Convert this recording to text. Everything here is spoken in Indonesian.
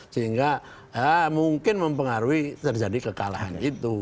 sehingga mungkin mempengaruhi terjadi kekalahan itu